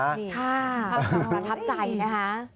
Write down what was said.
ค่ะประทับใจนะฮะ